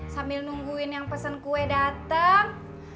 sambil nungguin yang pesen kue datang